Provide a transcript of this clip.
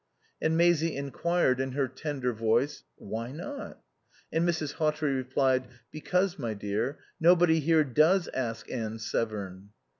And Maisie enquired in her tender voice, "Why not?" And Mrs. Hawtrey replied, "Because, my dear, nobody here does ask Anne Severn."